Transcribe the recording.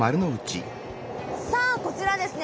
さあこちらですね